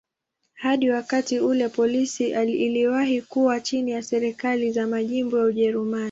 Hadi wakati ule polisi iliwahi kuwa chini ya serikali za majimbo ya Ujerumani.